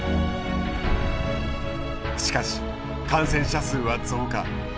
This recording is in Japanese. しかし感染者数は増加。